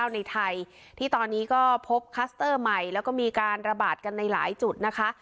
ในไทยที่ตอนนี้ก็พบคัสเตอร์ใหม่แล้วก็มีการระบาดกันในหลายจุดนะคะ